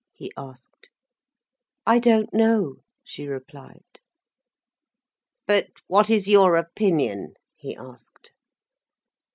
he asked. "I don't know," she replied. "But what is your opinion?" he asked.